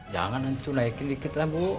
jangan nanti naikin dikit lah bu